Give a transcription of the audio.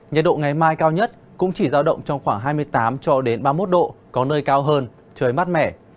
nhật độ ngày mai cao nhất cũng chỉ giao động trong khoảng hai mươi tám ba mươi một độ có nơi cao hơn trời mát mẻ